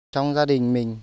trong gia đình mình